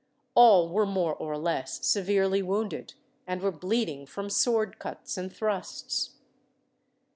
All were more or less severely wounded, and were bleeding from sword cuts and thrusts.